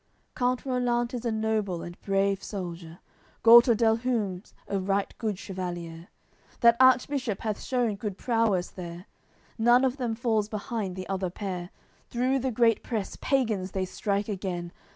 AOI. CLI Count Rollant is a noble and brave soldier, Gualter del Hum's a right good chevalier, That Archbishop hath shewn good prowess there; None of them falls behind the other pair; Through the great press, pagans they strike again.